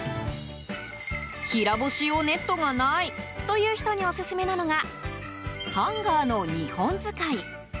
平干し用ネットがないという人にオススメなのがハンガーの２本使い。